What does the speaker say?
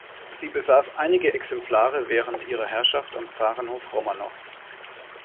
Sie besaß einige Exemplare während ihrer Herrschaft am Zarenhof Romanow.